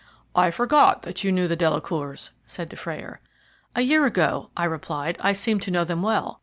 "I forgot that you knew the Delacours," said Dufrayer. "A year ago," I replied, "I seemed to know them well.